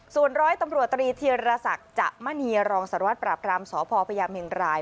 ส่วนร้อยตำรวจตรีเทียระศักดิ์จะมะเนียรองศาลวัฒน์ปราบรามสพพญเห็นราย